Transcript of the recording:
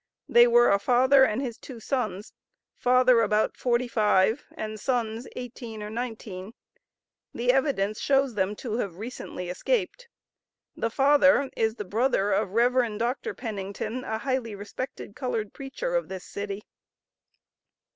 They were a father and his two sons, father about forty five and sons eighteen or nineteen. The evidence shows them to have recently escaped. The father is the brother of the Rev. Dr. Pennington, a highly respected colored preacher of this city.